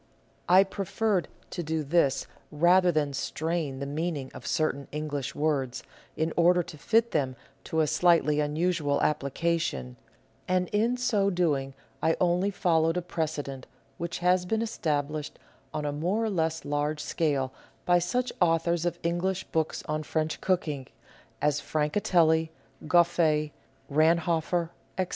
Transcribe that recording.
I preferred to do this rather than strain the meaning of certain English words, in order to fit them to a slightly unusual application ; and in so doing I only followed a precedent which has been established on a more or less large scale by such authors of English books on French cooking as Francatelli, Gouff^, Ranhoffer, etc.